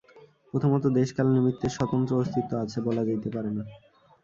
প্রথমত দেশ-কাল-নিমিত্তের স্বতন্ত্র অস্তিত্ব আছে, বলা যাইতে পারে না।